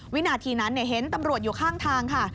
วินาทีนั้นเห็นตำรวจอยู่ข้างทางค่ะ